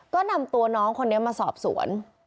ก็นำตัวน้องคนนี้มาสอบสวน